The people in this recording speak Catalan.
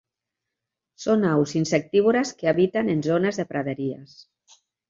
Són aus insectívores que habiten en zones de praderies.